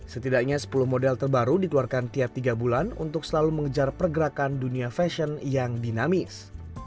setidaknya sepuluh model terbaru dikeluarkan tiap tiga bulan untuk selalu mengejar pergerakan dunia fashion yang dinamis